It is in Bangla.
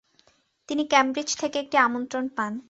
তিনি কেমব্রিজ থেকে একটি আমন্ত্রণ পান।